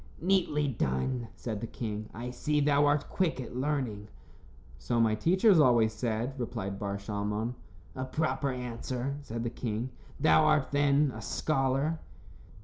"Neatly done," said the king. "I see thou art quick at learning." "So my teachers always said," replied Bar Shalmon. "A proper answer," said the king. "Thou art, then, a scholar."